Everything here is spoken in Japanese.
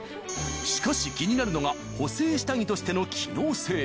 しかし気になるのが補整下着としての機能性